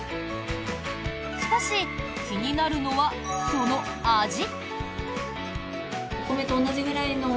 しかし、気になるのはその味。